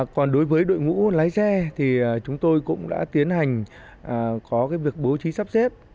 còn đối với đội ngũ lái xe thì chúng tôi cũng đã tiến hành có việc bố trí sắp xếp